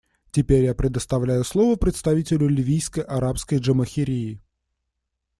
Теперь я предоставляю слово представителю Ливийской Арабской Джамахирии.